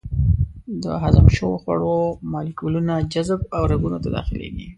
د هضم شوو خوړو مالیکولونه جذب او رګونو ته داخلېږي.